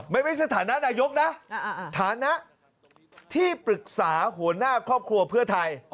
ไม่ใช่สถานะนายกนะฐานะที่ปรึกษาหัวหน้าครอบครัวเพื่อไทย